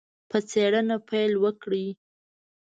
په څېړنه پیل وکړي.